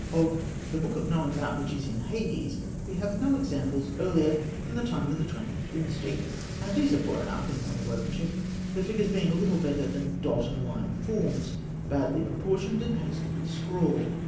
Of The Book of Knowing That which is in Hades we have no examples earlier than the time of the Twentieth Dynasty, and these are poor enough in point of workmanship, the figures being little better than dot and line forms, badly proportioned and hastily scrawled.